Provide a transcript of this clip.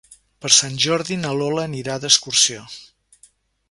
Per Sant Jordi na Lola anirà d'excursió.